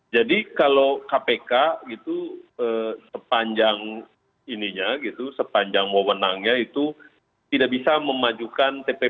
jadi kalau kpk gitu sepanjang ininya gitu sepanjang wawonannya itu tidak bisa memajukan tpu nya